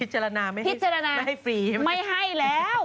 พิจารณาไม่ให้ฟรีเหรอคะพิจารณาไม่ให้แล้ว